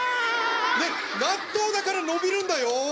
納豆だから伸びるんだよ。